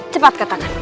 cepat ke tangan